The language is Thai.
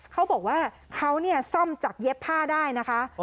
เขาบอกว่าเขาเนี่ยซ่อมจากเย็บผ้าได้นะคะ